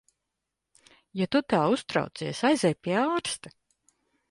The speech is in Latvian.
Ja tu tā uztraucies, aizej pie ārsta.